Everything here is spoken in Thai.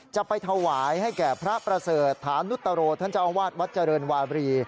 จะไปถวายให้แก่พระประเสริฐฐานุตโรท่านเจ้าอาวาสวัดเจริญวาบรี